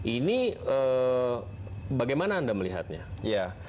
ini bagaimana anda melihatnya